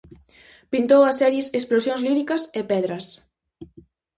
Pintou as series "Explosións líricas" e "Pedras".